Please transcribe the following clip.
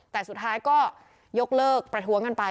แต่สุดท้ายก็ยกเลิกประท้วงกันไป